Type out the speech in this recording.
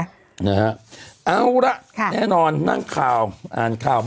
เนี้ยฮะเอาละค่ะแน่นอนนั่งข่าวอ่านข่าว